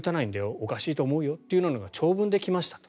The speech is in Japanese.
おかしいよと思うということが長文で来ましたと。